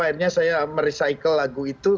akhirnya saya merecycle lagu itu